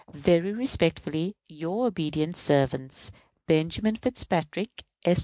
Very respectfully, your obedient servants, BENJAMIN FITZPATRICK, S.